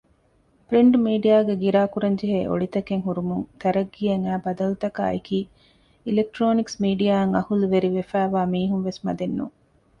ޕްރިންޓް މީޑިއާގެ ގިރާކުރަންޖެހޭ އޮޅިތަކެއް ހުރުމުން ތަރައްޤީއަށް އައި ބަދަލުތަކާއެކީ އިލެކްޓްރޯނިކްސް މީޑިއާއަށް އަހުލުވެރިވެފައިވާ މީހުންވެސް މަދެއްނޫން